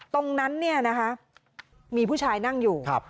ตรงนั้นมีผู้ชายนั่งอยู่